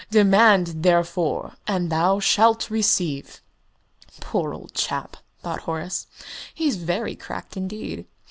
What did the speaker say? Demand, therefore, and thou shalt receive." "Poor old chap!" thought Horace, "he's very cracked indeed.